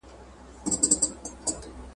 ګوندي وي په یوه کونج کي وکړي دمه !.